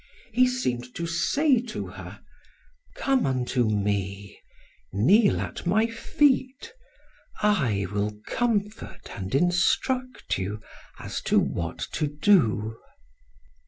He seemed to say to her: "Come unto Me. Kneel at My feet. I will comfort and instruct you as to what to do."